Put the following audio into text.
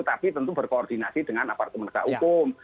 tapi tentu berkoordinasi dengan apartemen negara hukum